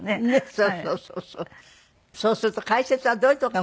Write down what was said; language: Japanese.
そうすると解説はどういうところが難しいですか？